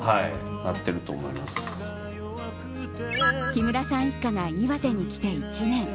木村さん一家が岩手に来て１年。